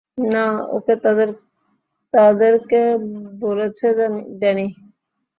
না, ও তাদেরকে বলেছে, ড্যানি।